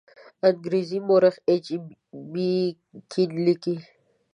انګریز مورخ ایچ جي کین لیکي.